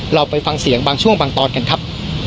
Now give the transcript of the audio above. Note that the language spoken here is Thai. เราไปฟังเสียงบางช่วงบางตอนกันครับ